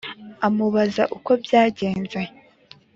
amubaza uko byagenze